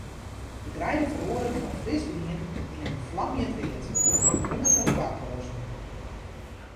De greide feroaret fan frisgrien yn in flamjend read troch hûnderten klaproazen.